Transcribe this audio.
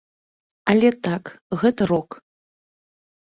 Але так, гэта рок.